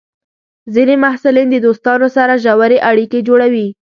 ځینې محصلین د دوستانو سره ژورې اړیکې جوړوي.